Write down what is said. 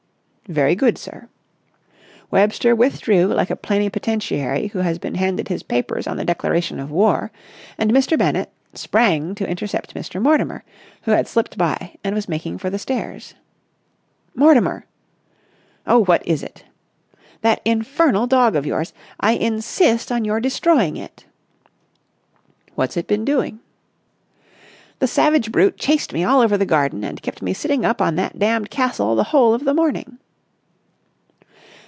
"Very good, sir." Webster withdrew like a plenipotentiary who has been handed his papers on the declaration of war, and Mr. Bennett, sprang to intercept Mr. Mortimer, who had slipped by and was making for the stairs. "Mortimer!" "Oh, what is it?" "That infernal dog of yours. I insist on your destroying it." "What's it been doing?" "The savage brute chased me all over the garden and kept me sitting up on that damned castle the whole of the morning!"